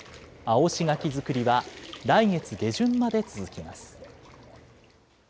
おし柿作りは、来月下旬まで続きます。